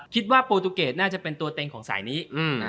คิดว่าโปรตูเกตน่าจะเป็นตัวเต็งของสายนี้